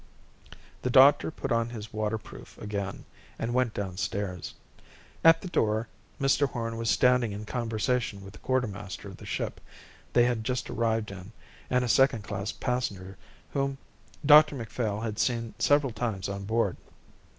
The doctor put on his waterproof again and went downstairs. At the door Mr Horn was standing in conversation with the quartermaster of the ship they had just arrived in and a second class passenger whom Dr Macphail had seen several times on board.